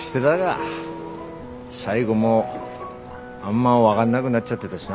最後もうあんま分がんなぐなっちゃってたしな。